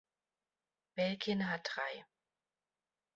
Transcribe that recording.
Belgien hat drei.